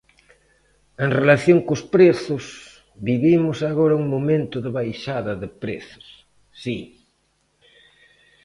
En relación cos prezos, vivimos agora un momento de baixada de prezos, si.